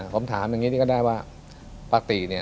ผมถามอย่างนี้นี่ก็ได้ว่าปกติเนี่ย